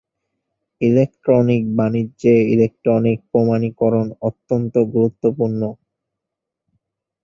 Electronic বাণিজ্যে electronic প্রমাণীকরণ অত্যন্ত গুরুত্বপূর্ণ।